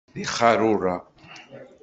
D ixeṛṛurra!